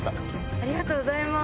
ありがとうございます。